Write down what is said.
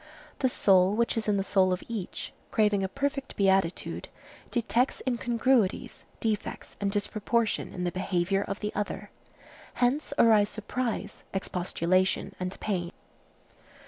The soul which is in the soul of each, craving a perfect beatitude, detects incongruities, defects and disproportion in the behavior of the other. Hence arise surprise, expostulation and pain.